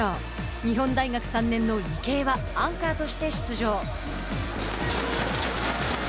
日本大学３年の池江はアンカーとして出場。